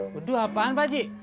bedu apaan pak aji